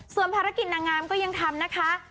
ส่วนภารกิจนางงามก็ยังทำนะคะ